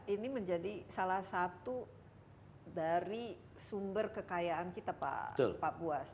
ini menjadi salah satu dari sumber kekayaan kita pak buas